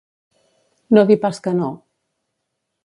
No dir pas que no.